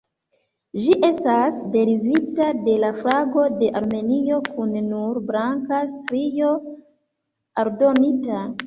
Ĝi estas derivita de la flago de Armenio, kun nur blanka strio aldonita.